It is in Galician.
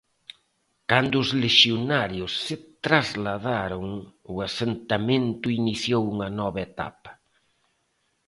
Cando os lexionarios se trasladaron, o asentamento iniciou unha nova etapa.